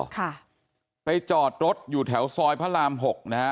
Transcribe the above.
ค่ะไปจอดรถอยู่แถวซอยพระรามหกนะฮะ